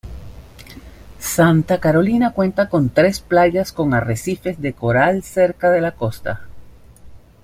Santa Carolina cuenta con tres playas con arrecifes de coral cerca de la costa.